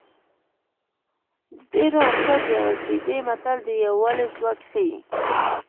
د ډېرو امسا د یوه ګېډۍ متل د یووالي ځواک ښيي